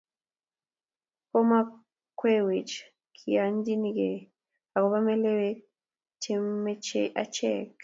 kumokwekwech kiyanchinny'ei akopo melekwek chekimechi achek